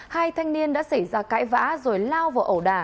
hai thanh niên đã xảy ra cãi vã rồi lao vào ẩu đà